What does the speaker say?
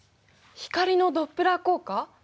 光のドップラー効果！？